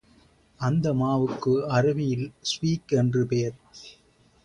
அந்த மாவுக்கு அரபியில் ஸ்வீக் என்று பெயர்.